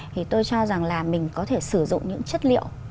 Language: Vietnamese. thì tôi cho rằng là mình có thể sử dụng những chất liệu